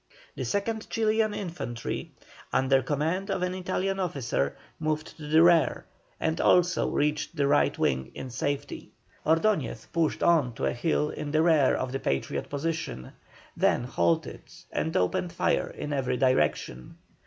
The 2nd Chilian infantry, under command of an Italian officer, moved to the rear, and also reached the right wing in safety. Ordoñez pushed on to a hill in the rear, of the Patriot position, then halted and opened fire in every direction.